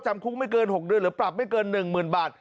จำคุกไม่เกิน๖เดือนหรือปรับไม่เกิน๑๐๐๐บาท